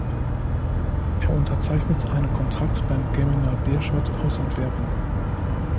Er unterzeichnete einen Kontrakt beim Germinal Beerschot aus Antwerpen.